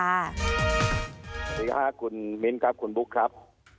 สวัสดีค่ะคุณมิ้นครับคุณบุ๊คครับ